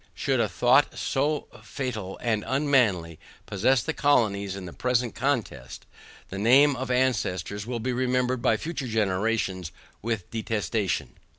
Should a thought so fatal and unmanly possess the colonies in the present contest, the name of ancestors will be remembered by future generations with detestation.